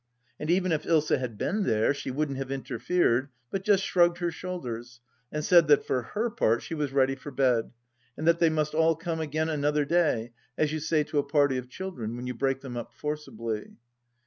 And even if Ilsa had been there she wouldn't have interfered, but just shrugged her shoulders and said that for her part she was ready for bed, and that they must all come again another day, as you say to^a party of children when you break them up forcibly.